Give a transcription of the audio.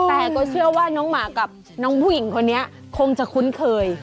แต่ก็เชื่อว่าน้องหมากับน้องผู้หญิงคนนี้คงจะคุ้นเคย